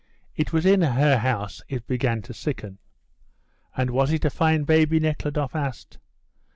It was in her house it began to sicken." "And was it a fine baby?" Nekhludoff asked.